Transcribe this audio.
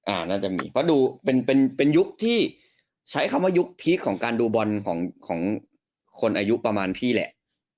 น่าจะมีเพราะดูเป็นเป็นยุคที่ใช้คำว่ายุคพีคของการดูบอลของของคนอายุประมาณพี่แหละ